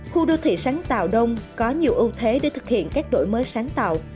khu đô thị sáng tạo đông có nhiều ưu thế để thực hiện các đổi mới sáng tạo